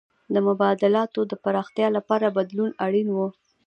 د مبادلاتو د پراختیا لپاره بدلون اړین و.